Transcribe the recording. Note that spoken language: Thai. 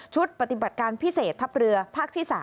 ปฏิบัติการพิเศษทัพเรือภาคที่๓